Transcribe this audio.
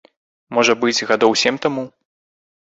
Можа быць, гадоў сем таму.